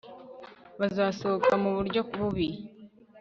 bazasohoka muburyo bubi